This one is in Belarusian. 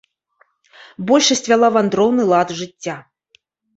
Большасць вяла вандроўны лад жыцця.